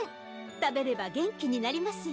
たべればげんきになりますよ。